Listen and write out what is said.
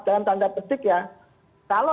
dalam tanda petik ya kalau